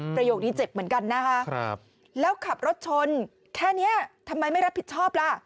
ประโยคนี้เจ็บเหมือนกันนะคะแล้วขับรถชนแค่นี้ทำไมไม่รับผิดชอบล่ะ